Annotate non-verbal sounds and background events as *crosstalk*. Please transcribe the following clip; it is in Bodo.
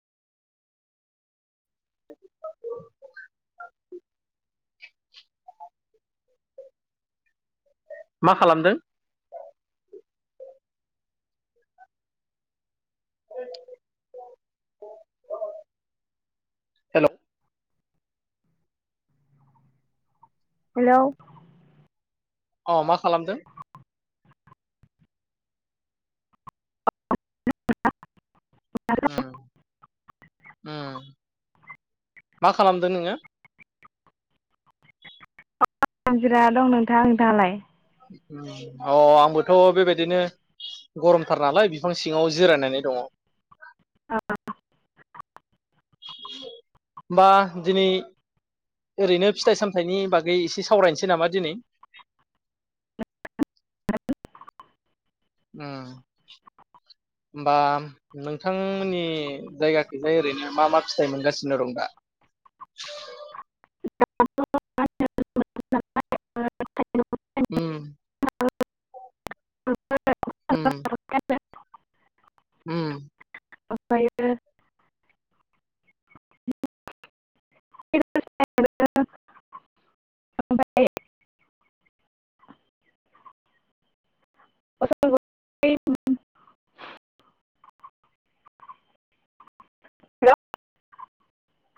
*inaudible* मा खालामदों हेलौ हेलौ अ मा खालामदों उम उम मा खालामदों नोङो *unintelligible* हानजिरा दं नोंथां नोंथाङालाय अ आंबोथ बेबायदिनो गरमथार नालाय बिफां सिङाव जिरायनानै दङ आ होमबा दिनै ओरैनो फिथाइ सामथायाइनि बागै एसे सावरायनोसै नामा दिनै उम होमबा नोंथांमोननि जायगाखैजाय ओरैनो मा मा फिथाइ मोनगासिनो दं दा द *unintelligible* उम उम उम ओमफ्रायो